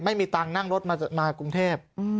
ไม่มีตังค์นั่งรถมากรุงเทพ